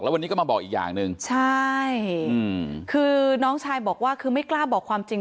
วันนี้ก็มาบอกอีกอย่างหนึ่งใช่อืมคือน้องชายบอกว่าคือไม่กล้าบอกความจริง